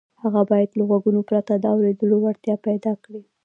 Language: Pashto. هغه باید له غوږونو پرته د اورېدو وړتیا پیدا کړي